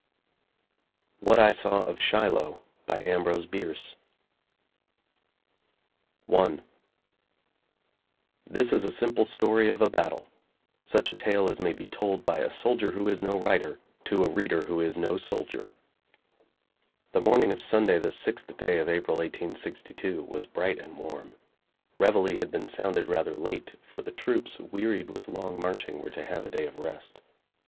WHAT I SAW OF SHILOH I This is a simple story of a battle; such a tale as may be told by a soldier who is no writer to a reader who is no soldier. The morning of Sunday, the sixth day of April, 1862, was bright and warm. Reveille had been sounded rather late, for the troops, wearied with long marching, were to have a day of rest.